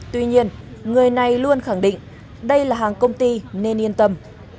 tuy nhiên người này luôn khẳng định đây là hàng công ty nên yên tâm